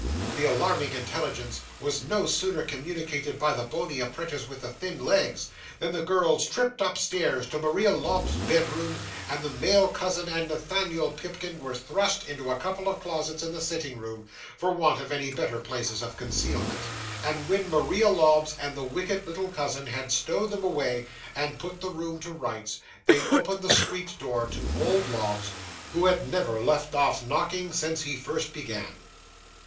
The alarming intelligence was no sooner communicated by the bony apprentice with the thin legs, than the girls tripped upstairs to Maria Lobbs's bedroom, and the male cousin and Nathaniel Pipkin were thrust into a couple of closets in the sitting room, for want of any better places of concealment; and when Maria Lobbs and the wicked little cousin had stowed them away, and put the room to rights, they opened the street door to old Lobbs, who had never left off knocking since he first began.